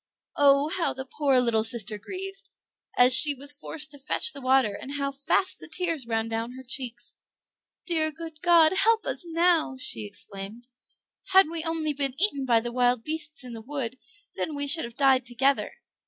Oh, how the poor little sister grieved, as she was forced to fetch the water, and how fast the tears ran down her cheeks! "Dear good God, help us now!" she exclaimed. "Had we only been eaten by the wild beasts in the wood then we should have died together."